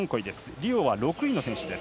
リオは６位の選手です。